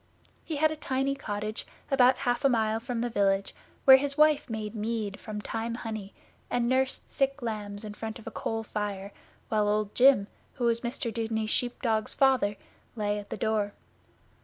He had a tiny cottage about half a mile from the village, where his wife made mead from thyme honey, and nursed sick lambs in front of a coal fire, while Old Jim, who was Mr Dudeney's sheep dog's father, lay at the door.